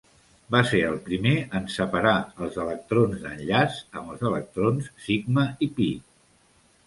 Va ser el primer en separar els electrons d'enllaç amb els electrons sigma i pi.